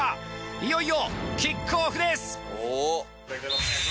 いよいよキックオフです！